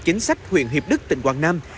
chính sách huyện hiệp đức tỉnh quảng nam